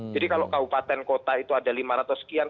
jadi kalau kabupaten kota itu ada lima ratus sekian